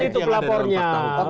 terima kasih banyak banyak pak